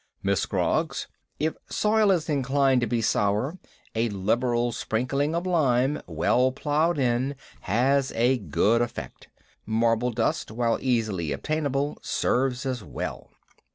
MISS SCROGGS: If soil is inclined to be sour, a liberal sprinkling of lime, well ploughed in, has a good effect. Marble dust, where easily obtainable, serves as well.